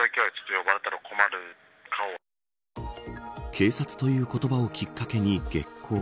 警察という言葉をきっかけに激高。